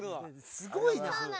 すごいな。